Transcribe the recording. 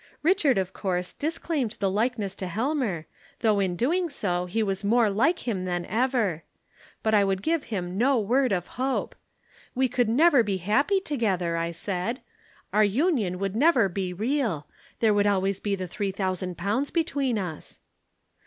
Richard, of course, disclaimed the likeness to Helmer, though in doing so he was more like him than ever. But I would give him no word of hope. 'We could never be happy together,' I said. 'Our union would never be real. There would always be the three thousand pounds between us.'